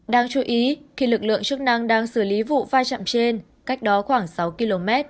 đáng chú ý khi lực lượng chức năng đang xử lý vụ pha chạm trên cách đó khoảng sáu km